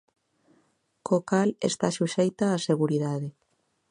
Co cal está suxeita á seguridade.